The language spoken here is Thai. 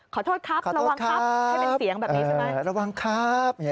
ขอโทษครับระวังครับให้เป็นเสียงแบบนี้ใช่ไหมระวังครับ